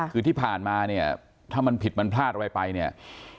คือที่ผ่านมาเนี่ยถ้ามันผิดมันพลาดอะไรไปเนี่ย